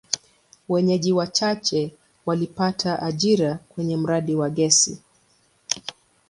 Wenyeji wachache walipata ajira kwenye mradi wa gesi.